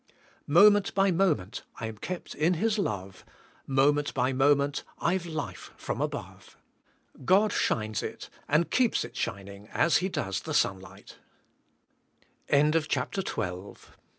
Moment by moment I'm kept in His love, Moment by moment I've life from above. God shines it and keeps it shining as He does the sunlight. W